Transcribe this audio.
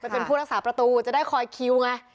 เป็นผู้รักษาประตูจะได้คอยคิวไง